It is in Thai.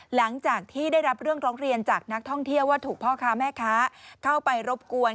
หลังจากที่ได้รับเรื่องร้องเรียนจากนักท่องเที่ยวว่าถูกพ่อค้าแม่ค้าเข้าไปรบกวน